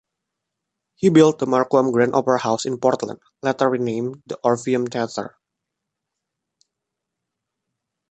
He built the Marquam Grand Opera House in Portland, later renamed the Orpheum Theater.